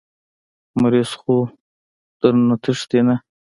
مريض خو درنه تښتي نه.